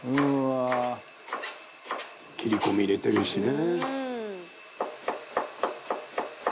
「切り込み入れてるしね」